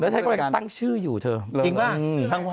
เธอก็มีความสุขอยู่บ้าง